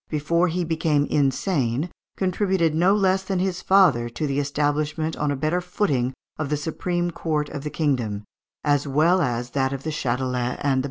before he became insane, contributed no less than his father to the establishment on a better footing of the supreme court of the kingdom, as well as that of the Châtelet and the bailiwicks.